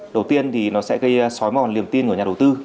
đầu tiên thì nó sẽ gây sói mòn liềm tin của nhà đầu tư